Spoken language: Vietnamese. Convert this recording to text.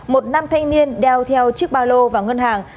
một nam thanh niên đeo theo chiếc ba lô vào ngân hàng